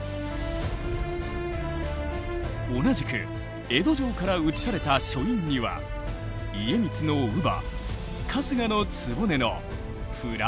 同じく江戸城から移された書院には家光の乳母春日局のプライベート空間。